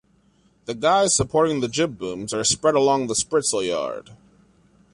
The guys supporting the jib-booms are spread along the spritsail yard.